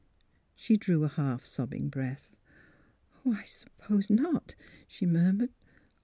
" She drew a half sobbing breath. " I — I suppose not," she murmured.